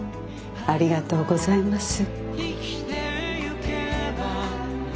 ありがとうございます。